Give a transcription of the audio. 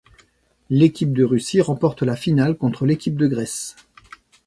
L'équipe de Russie remporte la finale contre l'équipe de Grèce.